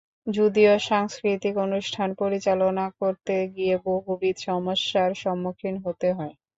যদিও সাংস্কৃতিক অনুষ্ঠান পরিচালনা করতে গিয়ে বহুবিধ সমস্যার সম্মুখীন হতে হয়।